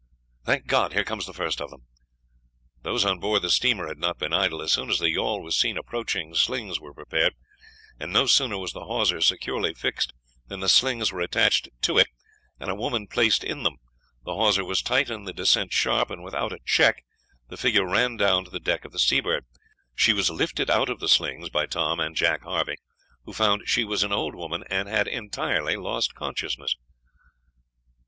"Thank God, here comes the first of them!" Those on board the steamer had not been idle. As soon as the yawl was seen approaching slings were prepared, and no sooner was the hawser securely fixed, than the slings were attached to it and a woman placed in them. The hawser was tight and the descent sharp, and without a check the figure ran down to the deck of the Seabird. She was lifted out of the slings by Tom and Jack Harvey, who found she was an old woman and had entirely lost consciousness.